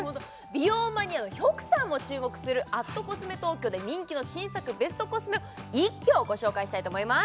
美容マニアのヒョクさんも注目する＠ｃｏｓｍｅＴＯＫＹＯで人気の新作ベストコスメを一挙ご紹介したいと思います